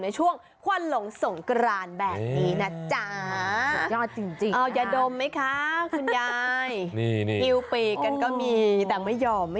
อิวปีกกันก็มีแต่ไม่ยอม